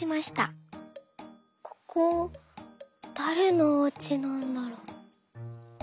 「ここだれのおうちなんだろう？」。